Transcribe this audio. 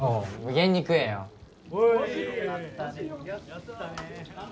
やったね。